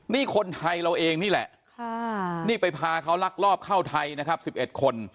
นี่คนไทยเราเองนี่แหละนี่ไปพาเขาลักลอบเข้าไทยนะครับ๑๑คน